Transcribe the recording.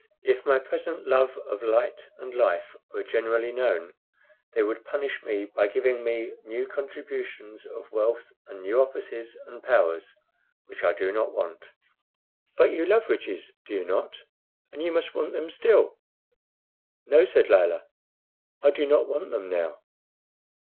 If my present love of light and life were generally known, they would punish me by giving me new contributions of wealth and new offices and powers, which I do not want." "But you love riches, do you not? and you must want them still?" "No," said Layelah, "I do not want them now."